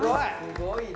すごいな。